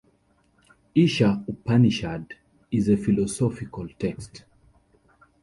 Isha Upanishad is a philosophical text.